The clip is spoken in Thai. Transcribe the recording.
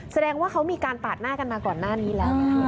แสดงว่าเขามีการปาดหน้ากันมาก่อนหน้านี้แล้ว